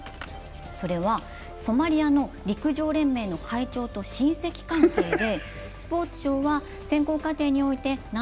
それは、ソマリアの陸上連盟の会長と親戚関係で。